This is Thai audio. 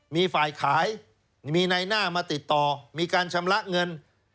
มีฝ่ายขายมีในหน้ามาติดต่อมีการชำระเงิน